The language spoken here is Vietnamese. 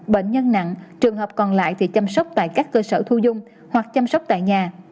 bệnh nhân nặng trường hợp còn lại thì chăm sóc tại các cơ sở thu dung hoặc chăm sóc tại nhà